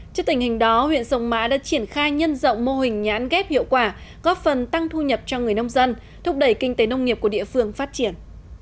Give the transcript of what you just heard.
trước tình hình đó huyện sông mã đã triển khai nhân rộng mô hình nhãn ghép hiệu quả góp phần tăng thu nhập cho người nông dân thúc đẩy kinh tế nông nghiệp của địa phương phát triển